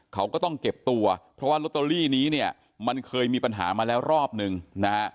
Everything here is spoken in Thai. เขาก็ต้องเก็บตัวเพราะว่าลอตเตอรี่นี้เนี่ยมันเคยมีปัญหามาแล้วรอบนึงนะฮะ